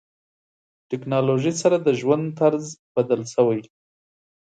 ټکنالوژي سره د ژوند طرز بدل شوی.